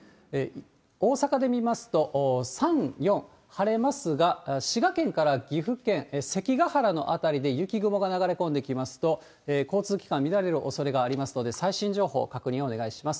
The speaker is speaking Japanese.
大阪で見ますと、３、４、晴れますが、滋賀県から岐阜県、関ヶ原の辺りで雪雲が流れ込んできますと、交通機関、乱れるおそれがありますので、最新情報、確認をお願いします。